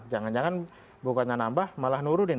jangan jangan bukannya nambah malah nurudin